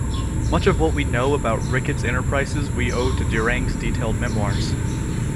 Much of what we know about Ricketts's enterprises we owe to Durang's detailed memoirs.